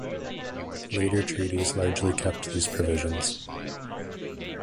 Later treaties largely kept these provisions.